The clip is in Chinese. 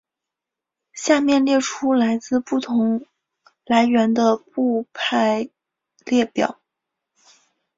下面列出来自不同来源的部派列表。